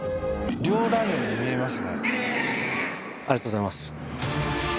ありがとうございます。